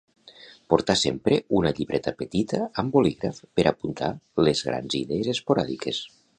Portar sempre una llibreta petita amb bolígraf per apuntar les grans idees esporàdiques